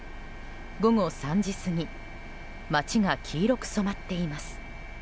午後３時過ぎ街が黄色く染まっています。